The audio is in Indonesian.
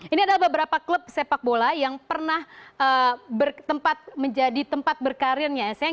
ini adalah beberapa klub sepak bola yang pernah menjadi tempat berkarirnya